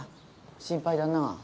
心配だな。